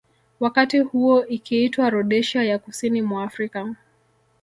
Wakati huo ikiitwa Rhodesia ya kusini mwa Afrika